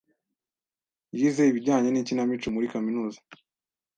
Yize ibijyanye n'ikinamico muri kaminuza.